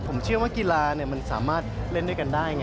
ผมเชื่อว่ากีฬามันสามารถเล่นด้วยกันได้ไง